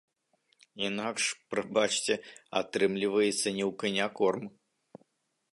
Інакш, прабачце, атрымліваецца не ў каня корм.